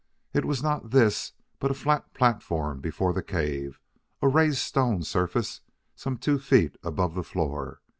It was not this but a flat platform before the cave, a raised stone surface some two feet above the floor.